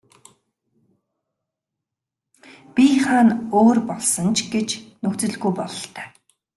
Бие хаа нь өөр болсон ч гэж нөхцөлгүй бололтой.